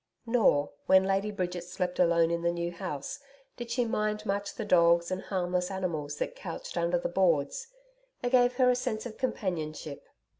Nor, when Lady Bridget slept alone in the new house, did she mind much the dogs and harmless animals that couched under the boards, they gave her a sense of companionship.